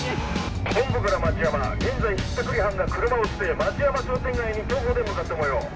本部から町山現在ひったくり犯が車を捨て町山商店街に徒歩で向かったもよう。